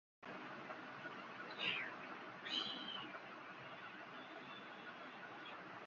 ঘরোয়া প্রথম-শ্রেণীর West Indian ক্রিকেটে ত্রিনিদাদ দলের প্রতিনিধিত্ব করেছেন।